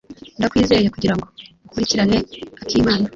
Ndakwizeye kugirango ukurikirane akimana.